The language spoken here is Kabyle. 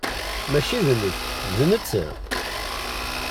Mačči d nekk, d netta!